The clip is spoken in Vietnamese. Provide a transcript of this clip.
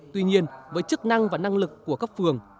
tuy nhiên với chức năng và năng lực của cấp phường